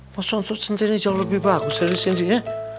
masa untuk centini jauh lebih bagus dari cindy ya